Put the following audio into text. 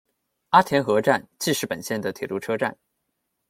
阿田和站纪势本线的铁路车站。